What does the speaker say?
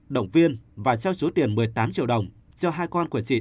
động viên và cho số tiền một mươi tám triệu đồng cho hai con của chị nth